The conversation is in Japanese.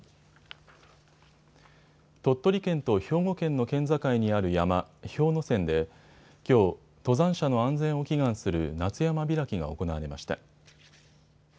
鳥取県と兵庫県の県境にある山、氷ノ山できょう登山者の安全を祈願する夏山開きが行われました。